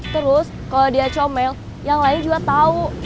terus kalo dia comel yang lain juga tau